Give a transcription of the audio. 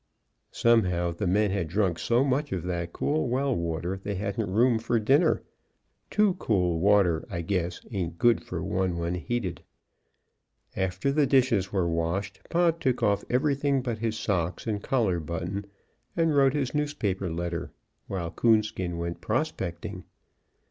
Somehow the men had drunk so much of that cool well water they hadn't room for dinner; too cool water I guess aint' good for one when heated. After the dishes were washed, Pod took off everything but his socks and collar button, and wrote his newspaper letter, while Coonskin went prospecting.